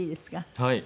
はい。